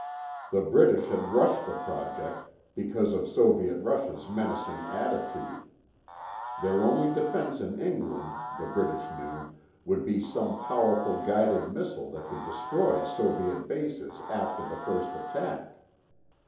The British had rushed the project, because of Soviet Russia's menacing attitude. Their only defense in England, the British knew, would be some powerful guided missile that could destroy Soviet bases after the first attack.